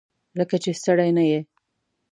لکه چې ستړی نه یې؟